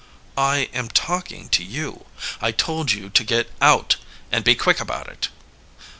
"I am talking to you. I told you to get out and be quick about it."